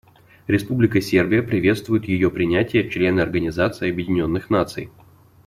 Республика Сербия приветствует ее принятие в члены Организации Объединенных Наций.